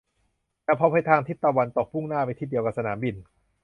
แต่พอไปทางทิศตะวันตกมุ่งหน้าไปทิศเดียวกับสนามบิน